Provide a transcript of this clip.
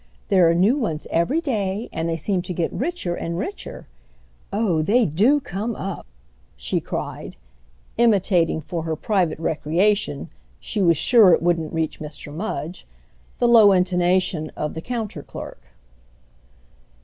There are new ones every day, and they seem to get richer and richer. Oh, they do come up!" she cried, imitating for her private recreation—she was sure it wouldn't reach Mr. Mudge—the low intonation of the counter clerk.